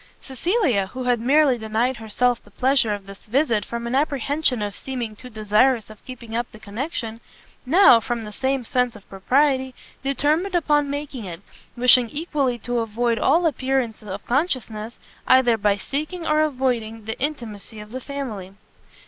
Cecilia, who had merely denied herself the pleasure of this visit from an apprehension of seeming too desirous of keeping up the connection, now, from the same sense of propriety, determined upon making it, wishing equally to avoid all appearance of consciousness, either by seeking or avoiding the intimacy of the family.